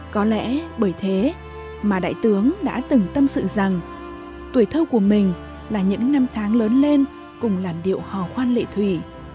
có lẽ bởi thế mà đại tướng đã từng tâm sự rằng tuổi thơ của mình là những năm tháng lớn lên cùng làn điệu hò khoan lệ thủy